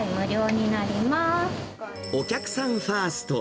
お客さんファースト。